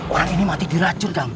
orang ini mati diracun